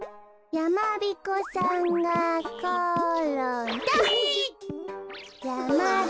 やまびこさんがころんだ！